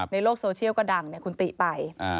ในโลกโซเชียลก็ดังคุณติไป